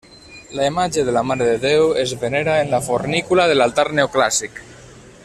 La imatge de la Mare de Déu es venera en la fornícula de l'altar neoclàssic.